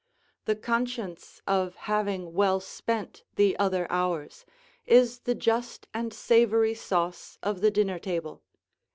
The conscience of having well spent the other hours, is the just and savoury sauce of the dinner table.